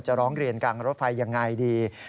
จะร้องเรียนการรถไฟอย่างไรดี